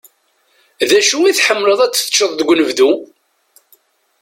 D acu i tḥemmleḍ ad t-teččeḍ deg unebdu?